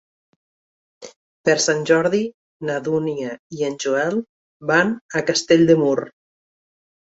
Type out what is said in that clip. Per Sant Jordi na Dúnia i en Joel van a Castell de Mur.